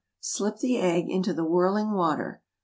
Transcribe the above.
Slip the egg into the whirling water.